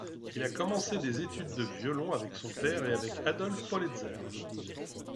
Il a commencé des études de violon avec son père et avec Adolf Pollitzer.